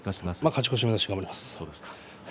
勝ち越し目指して頑張ります。